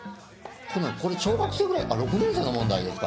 これ、小学生ぐらいか、６年生の問題か。